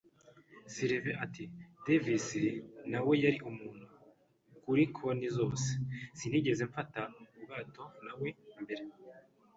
Silver ati: "Davis na we yari umuntu, kuri konti zose." “Sinigeze mfata ubwato na we; mbere